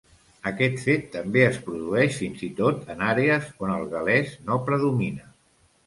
Aquest fet també es produeix fins i tot en àrees on el gal·lès no predomina.